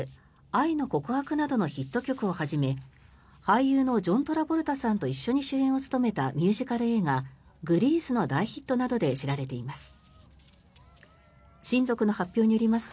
「愛の告白」などのヒット曲をはじめ俳優のジョン・トラボルタさんと一緒に主演を務めたミュージカル映画「グリース」の大ヒットなどで知られています。